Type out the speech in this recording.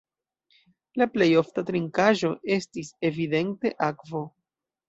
La plej ofta trinkaĵo estis evidente akvo.